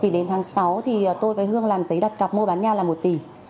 đến tháng sáu tôi với hương làm giấy đặt cọc mua bán nhà là một tỷ